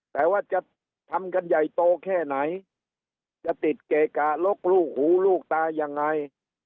แต่ว่าจะทำกันใหญ่โตแค่ไหนจะติดเกกะลกลูกหูลูกตายังไง